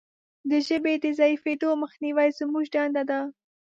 د ژبې د ضعیفیدو مخنیوی زموږ دنده ده.